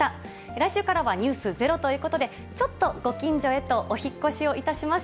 来週からはｎｅｗｓｚｅｒｏということで、ちょっとご近所へとお引っ越しをいたします。